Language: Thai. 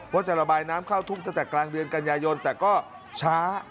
ว่าจะระบายน้ำเข้าทุ่งตั้งแต่กลางเดือนกันยายนแต่ก็ช้า